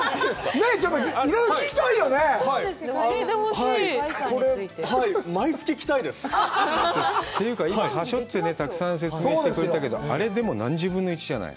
ちょっといろいろ聞きたいよね教えてほしいこれ毎月来たいですっていうか今はしょってたくさん説明言ってくれたけどあれでも何十分の１じゃない？